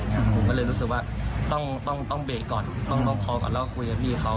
ผมก็เลยรู้สึกว่าต้องเบรกก่อนต้องล็อกคอก่อนแล้วคุยกับพี่เขา